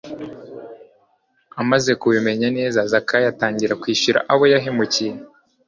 Amaze kubimenya neza, Zakayo atangira kwishyura abo yahemukiye.